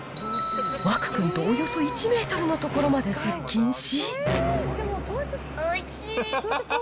湧くんとおよそ１メートルの所まで接近し。